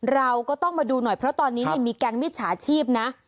เราก็ต้องมาดูหน่อยเพราะตอนนี้มีแก๊งมิจฉาชีพนะ